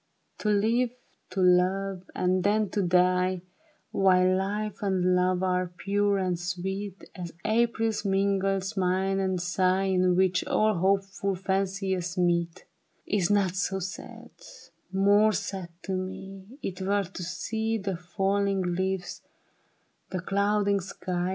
I20 THE BARRICADE. " To live, to love and then to die While life and love are pure and sweet As April's mingled smile and sigh In which all hopeful fancies meet, Is not so sad ; more sad to me, It were to see The falling leaves, the clouding sky.